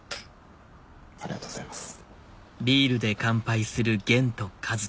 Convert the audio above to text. ありがとうございます。